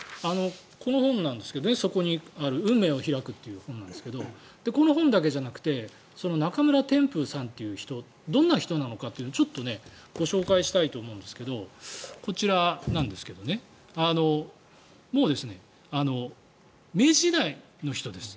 この本なんですけどそこにある「運命を拓く」という本なんですがこの本だけじゃなくて中村天風さんという人どんな人なのかというのをちょっとご紹介したいと思うんですがこちらなんですけど明治時代の人です。